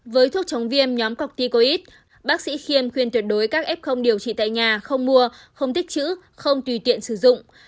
với thuốc chống viêm nhóm corticoid bác sĩ khiêm khuyên tuyệt đối các f điều trị tại nhà không mua không tích chữ không tùy tiện sử dụng